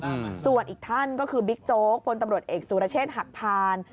ส่วนอีกท่านก็คือบิ๊กโจ๊กพลตำรวจเอกสุรเชษฐหักพาน